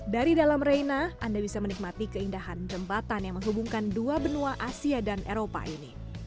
dari dalam reina anda bisa menikmati keindahan jembatan yang menghubungkan dua benua asia dan eropa ini